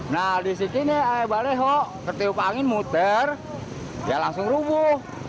nah disini air baleho ketiup angin muter ya langsung rubuh